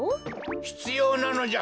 ひつようなのじゃ。